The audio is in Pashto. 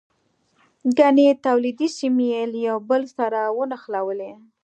ګڼې تولیدي سیمې یې له یو بل سره ونښلولې.